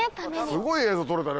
すごい映像撮れたね